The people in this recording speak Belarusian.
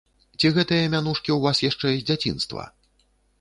Ці гэтыя мянушкі ў вас яшчэ з дзяцінства?